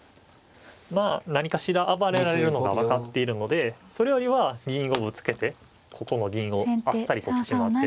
まあ何かしら暴れられるのが分かっているのでそれよりは銀をぶつけてここの銀をあっさり取ってしまって。